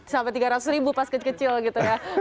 sampai tiga ratus ribu pas kecil kecil gitu ya